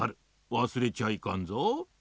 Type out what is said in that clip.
わすれちゃいかんぞ。